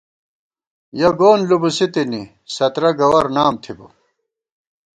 یَہ گون لُبُوسی تِنی ، سترہ گوَر نام تھِبہ